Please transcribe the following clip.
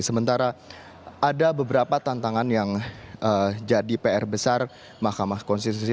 sementara ada beberapa tantangan yang jadi pr besar mahkamah konstitusi